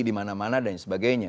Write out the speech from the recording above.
di mana mana dan sebagainya